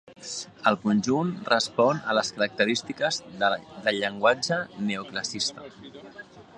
El conjunt respon a les característiques del llenguatge neoclassicista.